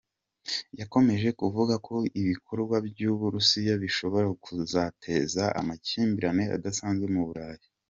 Yakomeje kuvuga ko ibikorwa by’u Burusiya bishobora kuzateza amakimbirane adasanzwe mu Burayi.